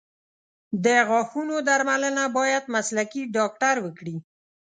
د غاښونو درملنه باید مسلکي ډاکټر وکړي.